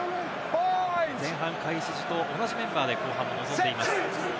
前半開始時と同じメンバーで後半に臨んでいます。